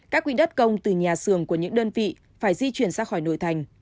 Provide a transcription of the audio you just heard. các quỹ đất công từ nhà xưởng của những đơn vị phải di chuyển ra khỏi nội thành